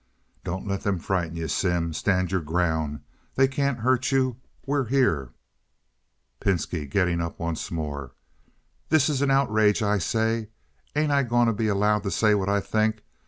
"Don't let them frighten you, Sim. Stand your ground. They can't hurt you. We're here." Pinski (getting up once more). "This is an outrage, I say. Ain't I gon' to be allowed to say what I think?